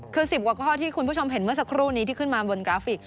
คือ๑๐กว่าข้อที่คุณผู้ชมเห็นเมื่อสักครู่นี้ที่ขึ้นมาบนกราฟิก